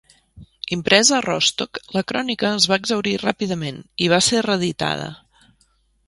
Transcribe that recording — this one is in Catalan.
Impresa a Rostock, la crònica es va exhaurir ràpidament i va ser reeditada.